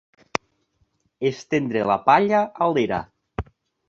Estendre la palla a l'era.